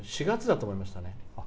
４月だと思いましたね。